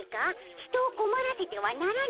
人をこまらせてはならぬ。